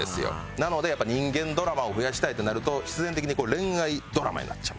なのでやっぱ人間ドラマを増やしたいってなると必然的に恋愛ドラマになっちゃう。